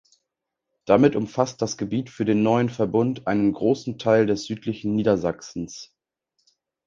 Damit umfasst das Gebiet für den neuen Verbund einen großen Teil des südlichen Niedersachsens.